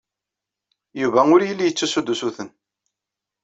Yuba ur yelli ittessu-d usuten.